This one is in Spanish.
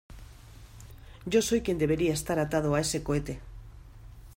Yo soy quien debería estar atado a ese cohete.